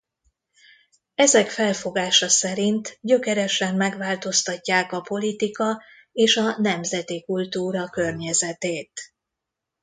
Ezek felfogása szerint gyökeresen megváltoztatják a politika és a nemzeti kultúra környezetét.